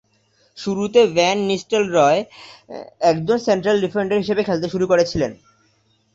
শুরুতে van Nistelrooy একজন central defender হিসেবে খেলতে শুরু করেছিলেন।